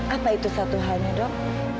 apa itu satu halnya dok